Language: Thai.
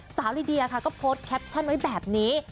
สาวดิดีอ่ะค่ะก็โพสต์แคปชั่นไว้แบบนี้